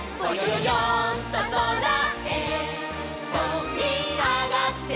よんとそらへとびあがってみよう」